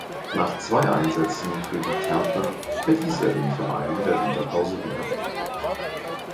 Nach zwei Einsätzen für die Kärntner verließ er den Verein in der Winterpause wieder.